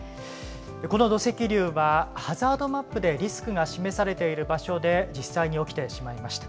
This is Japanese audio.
この土石流は、ハザードマップでリスクが示されている場所で、実際に起きてしまいました。